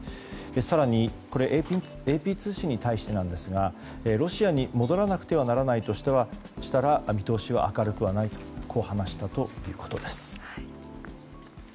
更にＡＰ通信に対してですがロシアに戻らなくてはならないとしたら見通しは明るくはないと話したということです。